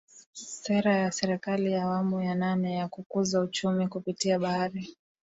Sera ya Serikali ya awamu ya nane ya kukuza Uchumi kupitia Bahari